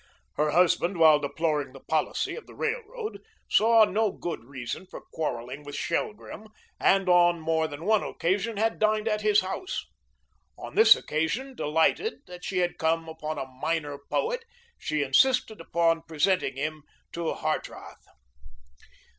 Her husband, while deploring the policy of the railroad, saw no good reason for quarrelling with Shelgrim, and on more than one occasion had dined at his house. On this occasion, delighted that she had come upon a "minor poet," she insisted upon presenting him to Hartrath.